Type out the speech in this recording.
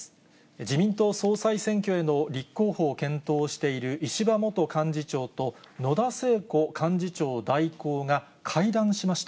自民党総裁選挙への立候補を検討している石破元幹事長と野田聖子幹事長代行が、会談しました。